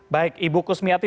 baik ibu kusmiati